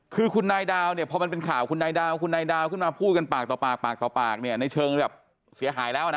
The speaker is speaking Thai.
คือคุณนายดาวเนี่ยพอมันเป็นข่าวคุณนายดาวคุณนายดาวขึ้นมาพูดกันปากต่อปากปากต่อปากเนี่ยในเชิงแบบเสียหายแล้วนะ